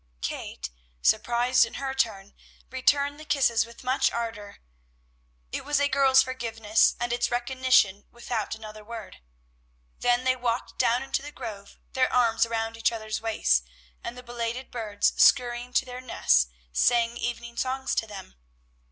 Kate, surprised in her turn, returned the kisses with much ardor. It was a girl's forgiveness, and its recognition, without another word. Then they walked down into the grove, their arms around each other's waists, and the belated birds, scurrying to their nests, sang evening songs to them.